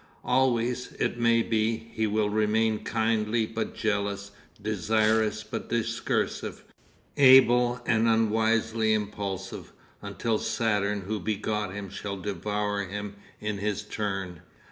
Always, it may be, he will remain kindly but jealous, desirous but discursive, able and unwisely impulsive, until Saturn who begot him shall devour him in his turn....